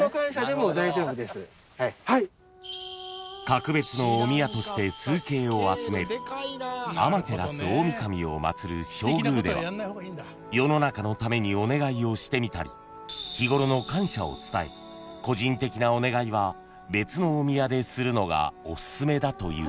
［格別のお宮として崇敬を集める天照大御神を祭る正宮では世の中のためにお願いをしてみたり日頃の感謝を伝え個人的なお願いは別のお宮でするのがおすすめだという］